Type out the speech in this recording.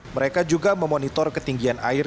mereka juga memonitor ketinggian air